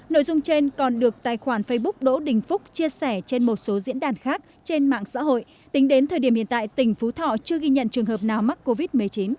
nội dung trên còn được tài khoản facebook đỗ đình phúc chia sẻ trên một số diễn đàn khác trên mạng xã hội tính đến thời điểm hiện tại tỉnh phú thọ chưa ghi nhận trường hợp nào mắc covid một mươi chín